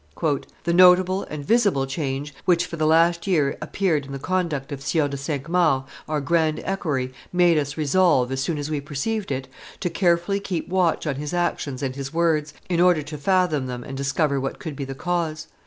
"The notable and visible change which had for the last year appeared in the conduct of Sieur de Cinq Mars, our grand equerry, made us resolve, as soon as we perceived it, to carefully keep watch on his actions and his words, in order to fathom them and discover what could be the cause.